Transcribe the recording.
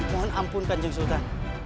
mohon ampun kanjeng sultan